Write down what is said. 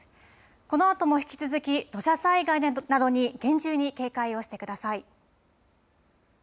このあとも引き続き、土砂災害などに厳重に警戒をしてください。